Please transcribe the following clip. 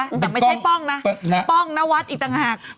แต่ไม่ใช่ป้องนะป้องนวัดอีกต่างหาก